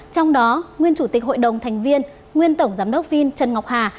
trong đó nguyên chủ tịch hội đồng thành viên nguyên tổng giám đốc vin trần ngọc hà